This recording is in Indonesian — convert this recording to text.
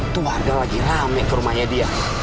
itu warga lagi rame ke rumahnya dia